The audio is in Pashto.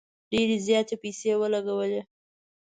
ډیري زیاتي پیسې ولګولې.